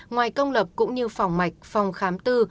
ngoài công lập cũng như phòng mạch phòng khám tư